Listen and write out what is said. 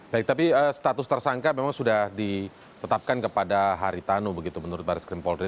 baik tapi status tersangka memang sudah ditetapkan kepada haritanu begitu menurut baris krim polri